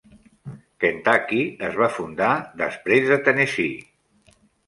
Kentucky es va fundar després de Tennessee.